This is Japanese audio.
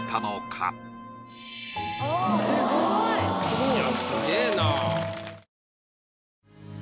すごい。